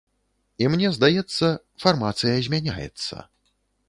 І мне здаецца, фармацыя змяняецца.